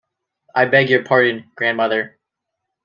I beg your pardon, grandmother.